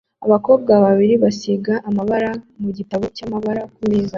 Abakobwa babiri basiga amabara mugitabo cyamabara kumeza